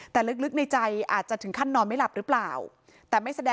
แต่ลึกในใจอาจจะถึงค่านนอนไม่หลับหรือเปล่า